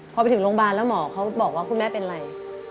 พอไปถึงโรงพยาบาลแล้วหมอเขาบอกว่าคุณแม่เป็นอะไร